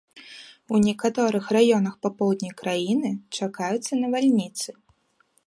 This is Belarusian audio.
У некаторых раёнах па поўдні краіны чакаюцца навальніцы.